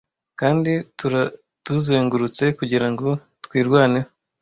Kandi turaduzengurutse kugirango twirwaneho